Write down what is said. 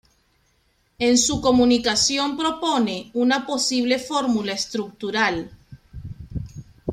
En su comunicación propone una posible fórmula estructural.